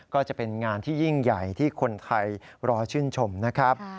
ก็จะเป็นงานที่ยิ่งใหญ่ที่คนไทยรอชื่นชมนะครับ